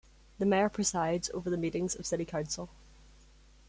The Mayor presides over the meetings of City Council.